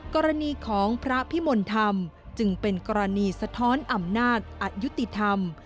กรณีของพระพิมลธรรมจึงเป็นกรณีสะท้อนอำนาจอายุติธรรม